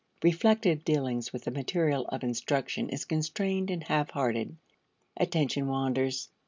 Reflective dealings with the material of instruction is constrained and half hearted; attention wanders.